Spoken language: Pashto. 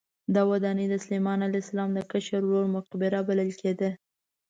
دا ودانۍ د سلیمان علیه السلام د کشر ورور مقبره بلل کېده.